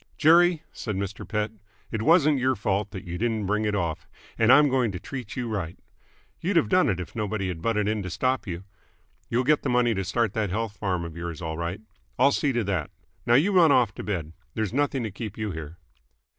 "Jerry," said Mr. Pett, "it wasn't your fault that you didn't bring it off, and I'm going to treat you right. You'd have done it if nobody had butted in to stop you. You'll get the money to start that health farm of yours all right. I'll see to that. Now you run off to bed. There's nothing to keep you here."